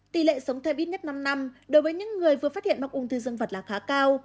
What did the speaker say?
tỷ lệ sống theo ít nhất năm năm đối với những người vừa phát hiện mắc ung thư dân vật là khá cao